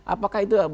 apakah itu berkat